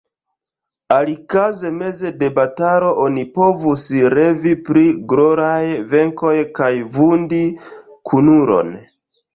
Alikaze meze de batalo oni povus revi pri gloraj venkoj kaj vundi kunulon.